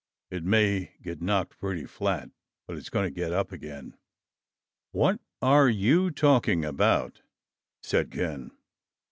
It may get knocked pretty flat, but it's going to get up again." "What are you talking about?" said Ken.